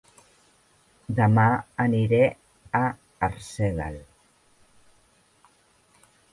Dema aniré a Arsèguel